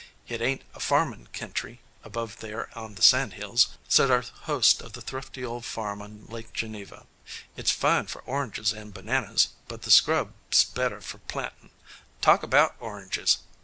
"Hit ain't a farmin' kentry, above there on the sandhills," said our host of the thrifty old farm on Lake Geneva. "It's fine for oranges an' bananas, but the Scrub's better for plantin'. Talk about oranges!